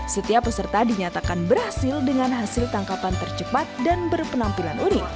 setiap peserta dinyatakan berhasil dengan hasil tangkapan tercepat dan berpenampilan unik